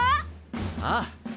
ああ！